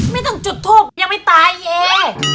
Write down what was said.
ไม่ต้องจุดทูปยังไม่ตายเอ